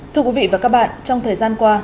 thưa quý vị và các bạn trong thời gian qua